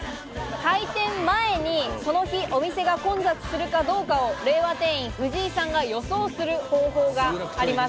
開店前に、その日、お店が混雑するかどうかを令和店員・藤井さんが予想する方法があります。